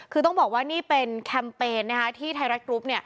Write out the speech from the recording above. คือต้องบอกว่านี่เป็นแคมเปญที่ไทยรัฐกรุ๊ป